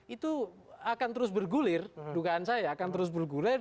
itu akan terus bergulir dugaan saya akan terus bergulir